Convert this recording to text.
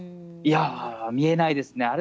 いやぁ、見えないですね。